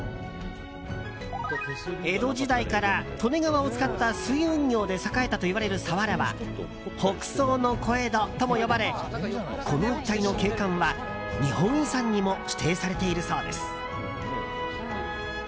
江戸時代から利根川を使った水運業で栄えたといわれる佐原は北総の小江戸とも呼ばれこの一帯の景観は、日本遺産にも指定されているそうです。